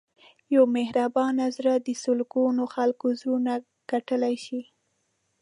یو مهربان زړه د سلګونو خلکو زړونه ګټلی شي.